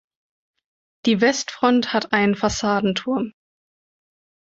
Die Westfront hat einen Fassadenturm.